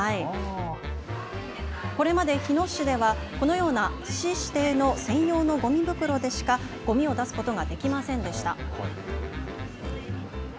これまで日野市ではこのような市指定の専用のごみ袋でしかごみを出すことができませんでした。